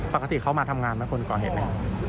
ปกติเขามาทำงานไหมคนก่อเหตุไหม